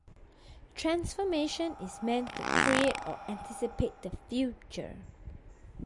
Transformation is meant to create or anticipate the future.